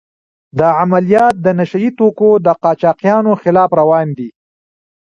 دا عملیات د نشه يي توکو د قاچاقچیانو خلاف روان دي.